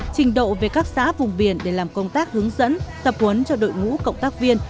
trình độ về các xã vùng biển để làm công tác hướng dẫn tập huấn cho đội ngũ cộng tác viên